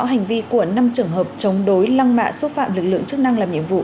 hành vi của năm trường hợp chống đối lăng mạ xúc phạm lực lượng chức năng làm nhiệm vụ